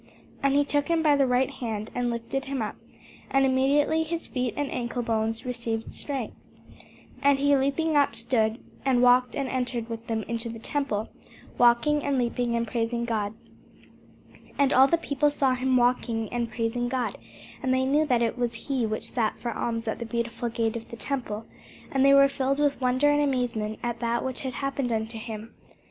And he took him by the right hand, and lifted him up: and immediately his feet and ancle bones received strength. And he leaping up stood, and walked, and entered with them into the temple, walking, and leaping, and praising God. And all the people saw him walking and praising God: and they knew that it was he which sat for alms at the Beautiful gate of the temple: and they were filled with wonder and amazement at that which had happened unto him.